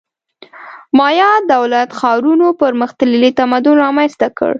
مایا دولت ښارونو پرمختللی تمدن رامنځته کړ